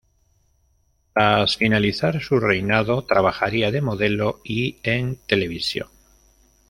Tras finalizar su reinado, trabajaría de modelo y en televisión.